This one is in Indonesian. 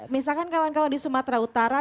misalkan kawan kawan di sumatera utara